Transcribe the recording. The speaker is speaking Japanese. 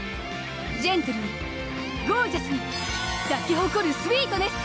ジェントルにゴージャスに咲き誇るスウィートネス！